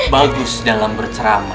bagus dalam bercerama